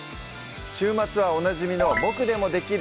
週末はおなじみの「ボクでもできる！